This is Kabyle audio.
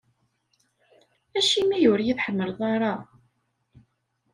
Acimi ur yi-tḥemmleḍ ara?